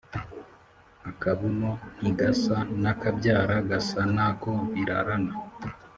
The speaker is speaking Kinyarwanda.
Akabuno ntigasa n’akabyara gasa nako birarana.